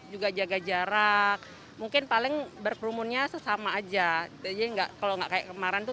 juga jaga jarak mungkin paling berkerumunnya sesama aja jadi enggak kalau enggak kayak kemarin itu